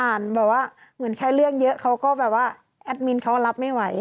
แบบว่าเหมือนใช้เรื่องเยอะเขาก็แบบว่าแอดมินเขารับไม่ไหว